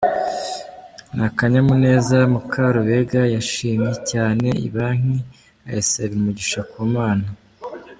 N’akanyamuneza, Mukarubega yashimye cyane iyi Banki ayisabira umugisha ku Mana.